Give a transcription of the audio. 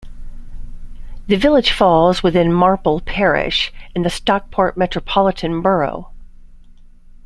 The village falls within Marple parish and the Stockport metropolitan borough.